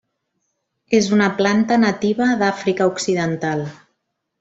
És una planta nativa d'Àfrica Occidental.